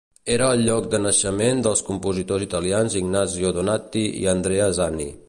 Era el lloc de naixement dels compositors italians Ignazio Donati i Andrea Zani.